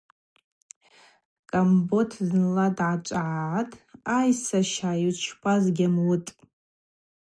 Къамбот зынла дгӏачӏвагӏгӏатӏ: Ай, саща, йучпаз гьамуытӏ.